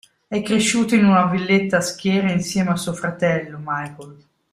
È cresciuto in una villetta a schiera insieme a suo fratello, Michael.